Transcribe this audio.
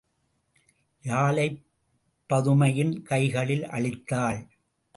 யாழைப் பதுமையின் கைகளில் அளித்தாள்.